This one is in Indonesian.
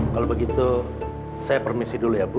kalau begitu saya permisi dulu ya bu